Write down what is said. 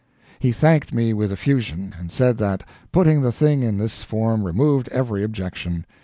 He thanked me with effusion, and said that putting the thing in this form removed every objection.